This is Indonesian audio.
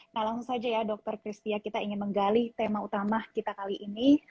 kalau saja ya dokter kristia kita ingin menggali tema utama kita kali ini